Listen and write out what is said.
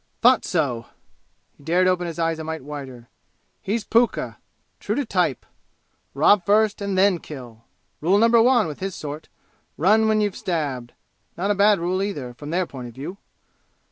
"Thought so!" He dared open his eyes a mite wider. "He's pukka true to type! Rob first and then kill! Rule number one with his sort, run when you've stabbed! Not a bad rule either, from their point of view!"